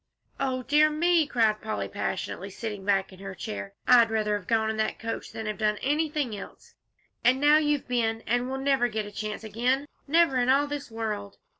"O dear me!" cried Polly, passionately, sitting back in her chair, "I'd rather have gone in that coach than have done anything else, and now you've been, and we never'll get a chance again. Never in all this world!"